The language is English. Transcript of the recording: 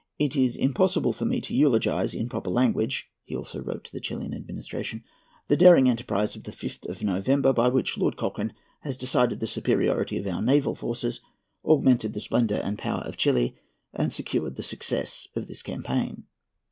"It is impossible for me to eulogize in proper language," he also wrote to the Chilian administration, "the daring enterprise of the 5th of November, by which Lord Cochrane has decided the superiority of our naval forces, augmented the splendour and power of Chili, and secured the success of this campaign."